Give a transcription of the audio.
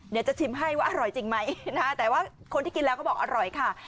จะชิมให้ว่าอร่อยจริงไหมนะแต่ว่าคนที่กินแล้วเขาบอกอร่อยค่ะ